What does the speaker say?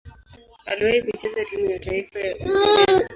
Aliwahi kucheza timu ya taifa ya Uingereza.